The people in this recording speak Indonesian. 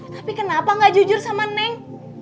tapi kenapa gak jujur sama neng